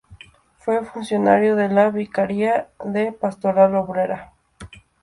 Fue funcionario de la Vicaria de Pastoral Obrera.